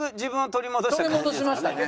取り戻しましたね。